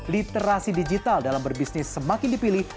literasi digital dalam berbisnis semakin dipilih